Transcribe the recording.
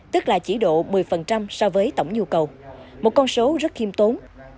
tức là chỉ độ một mươi so với tổng nhu cầu một con số rất khiêm tốn